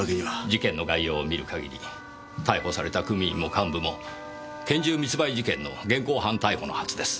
事件の概要を見る限り逮捕された組員も幹部も拳銃密売事件の現行犯逮捕のはずです。